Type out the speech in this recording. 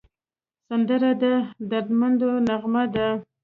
سندره د دردمندو نغمه ده